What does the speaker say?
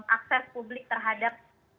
akses publik terhadap